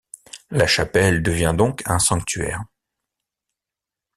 La chapelle devient donc un sanctuaire.